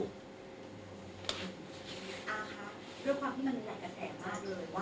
เพื่อความที่มันหลายกระแสมาเลยว่า